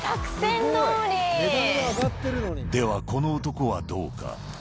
では、この男はどうか。